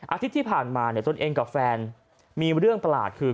อาทิตย์ที่ผ่านมาตัวเองกับแฟนมีเรื่องตลาดคือ